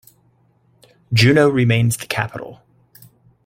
Juneau remains the capital.